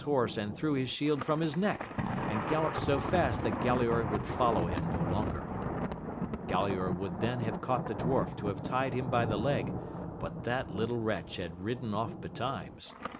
e and thre^ his shield from his neck, and galloped so fast that Galaor would follow him no longer, Galaor would then have caught the dwarf to have tied him by the leg, but that little wretch had ridden off betimes.